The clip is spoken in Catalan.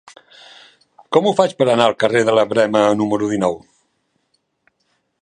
Com ho faig per anar al carrer de la Verema número dinou?